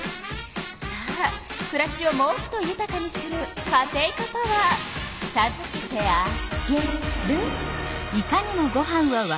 さあくらしをもっとゆたかにするカテイカパワーさずけてあげる。